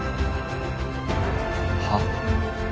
はっ？